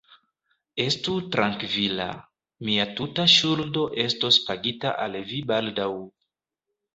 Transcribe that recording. Estu trankvila, mia tuta ŝuldo estos pagita al vi baldaŭ.